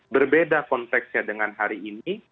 berbeda konteksnya dengan hari ini